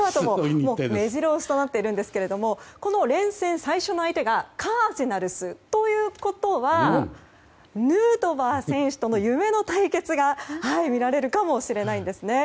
目白押しとなっていますがこの連戦最初の相手がカージナルスということでヌートバー選手との夢の対決が見られるかもしれません。